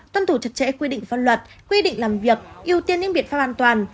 tuân thủ chặt chẽ quy định phân luật quy định làm việc ưu tiên những biện pháp an toàn